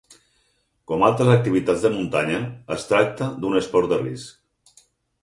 Com altres activitats de muntanya, es tracta d'un esport de risc.